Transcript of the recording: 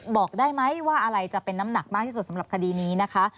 บอกได้ไหมว่าอะไรจะเป็นน้ำหนักมากที่สุดสำหรับคดีนี้นะคะ